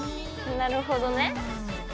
なるほどね。